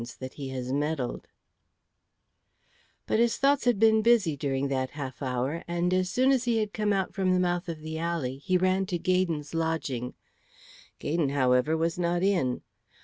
CHAPTER XXIII But his thoughts had been busy during that half hour, and as soon as he had come out from the mouth of the alley, he ran to Gaydon's lodging. Gaydon, however, was not in.